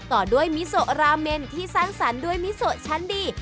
ต่อด้วยมิโซราเมนที่สร้างสรรค์ด้วยมิโซชั้นดี